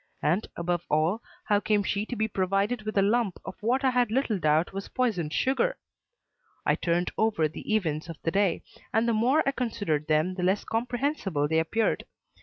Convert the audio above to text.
And, above all, how came she to be provided with a lump of what I had little doubt was poisoned sugar? I turned over the events of the day, and the more I considered them the less comprehensible they appeared.